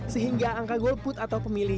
sehingga angka golput atau pemilih